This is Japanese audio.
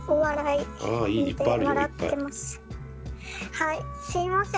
はいすいません。